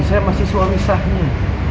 saya masih suami sahnya